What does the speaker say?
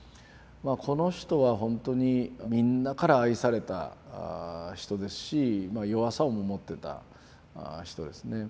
この人はほんとにみんなから愛された人ですし弱さも持ってた人ですね。